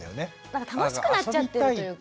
なんか楽しくなっちゃってるというか。